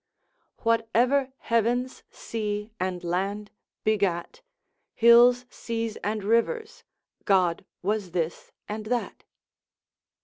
Whatever heavens, sea, and land begat, Hills, seas, and rivers, God was this and that.